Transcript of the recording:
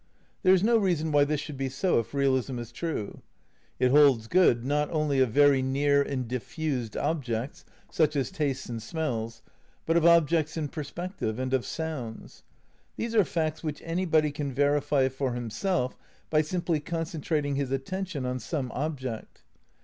There is no reason why this should be so if realism is true. It holds good, not only of very near and diffused objects, such as tastes and smeUs, but of objects in i>er spective, and of sounds. These are facts which anybody can verify for himself by simply concentrating his at tention on some object.